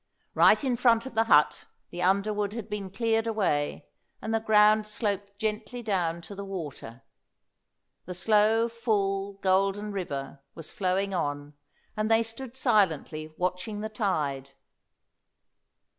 Right in front of the hut the underwood had been cleared away, and the ground sloped gently down to the water. The slow, full, golden river was flowing on, and they stood silently watching the tide.